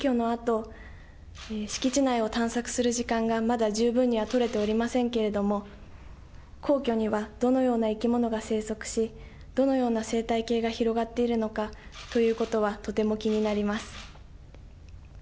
あと、まだ敷地内を探索する時間がまだ十分には取れておりませんけれども、皇居にはどのような生き物が生息し、どのような生態系が広がっているのかということはとても気になります。